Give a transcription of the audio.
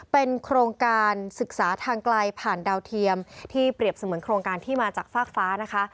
เป็นโครงการศึกษาทางไกลผ่านดาวเทียมที่เปรียบเสมือนโครงการที่มาจากฟากฟ้านะคะ